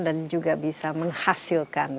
dan juga bisa menghasilkan